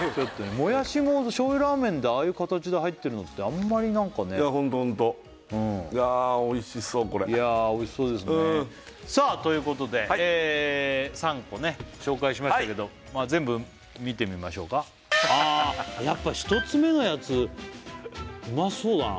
もやしも醤油ラーメンでああいう形で入ってるのってあんまりなんかねホントホントいやおいしそうですねさあということで３個ね紹介しましたけど全部見てみましょうかああやっぱ１つ目のやつうまそうだな